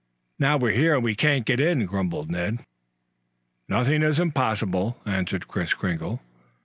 "Now we're here, we can't get in," grumbled Ned. "Nothing is impossible," answered Kris Kringle.